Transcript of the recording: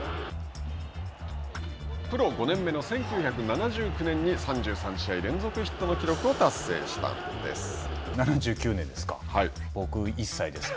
プロ５年目の１９７９年に３３試合連続ヒットの記録を達成したんです。